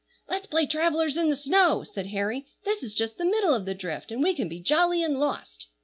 "Let's play travellers in the snow!" said Harry. "This is just the middle of the drift, and we can be jolly and lost."